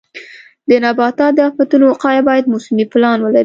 د نبات د آفتونو وقایه باید موسمي پلان ولري.